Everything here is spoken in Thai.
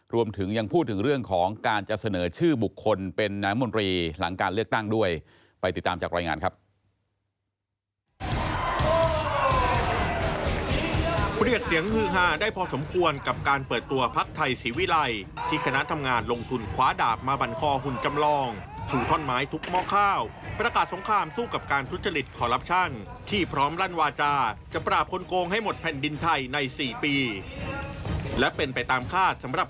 รวมถึงยังพูดถึงเรื่องของการจะเสนอชื่อบุคคลเป็นนายมนตรีหลังการเลือกตั้งด้วยไปติดตามจากรายงานครับ